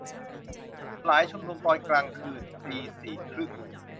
- สลายชุมนุมตอนกลางคืน ~ตีสี่ครึ่ง